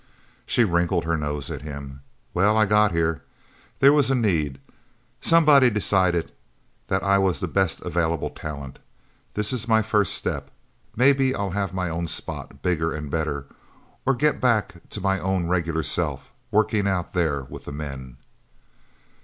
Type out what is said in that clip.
She wrinkled her nose at him. "Well, I got here. There was a need. Somebody decided that I was the best available talent. This is the first step. Maybe I'll have my own spot bigger and better. Or get back to my own regular self, working Out There with the men."